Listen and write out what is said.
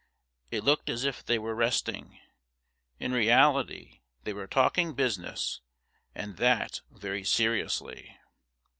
It looked as if they were resting. In reality they were talking business, and that very seriously.